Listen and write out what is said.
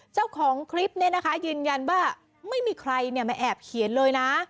เจ้าของคลิปเนี่ยนะคะยืนยันว่าไม่มีใครมาแอบเขียนเลยนะ